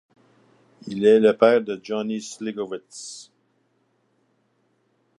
Il est le père de Johnny Szlykowicz.